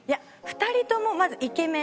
２人ともまずイケメン。